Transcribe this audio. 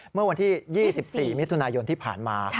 เมื่อวันที่๒๔มิถุนายนที่ผ่านมา